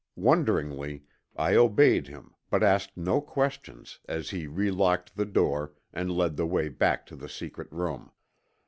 Wonderingly I obeyed him but asked no questions as he relocked the door and led the way back to the secret room.